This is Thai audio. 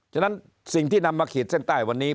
ฉะนั้นสิ่งที่นำมาขีดเส้นใต้วันนี้